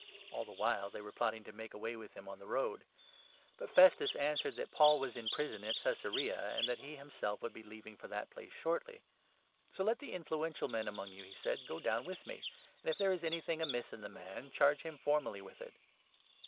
All the while they were plotting to make away with him on the road. But Festus 4 answered that Paul was in prison at Caesarea, and that he himself would be leaving for that place shortly. " So let the influential men among you," he said, " go down 5 with me, and, if there is anything amiss in the man, charge him formally with it."